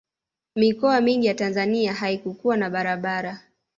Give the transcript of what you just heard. mikoa mingi ya tanzania haikukuwa na barabara